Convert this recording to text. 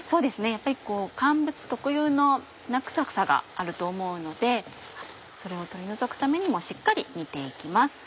やっぱり乾物特有の粉臭さがあると思うのでそれを取り除くためにもしっかり煮て行きます。